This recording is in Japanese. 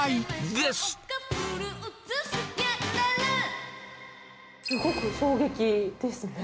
すごく衝撃ですね。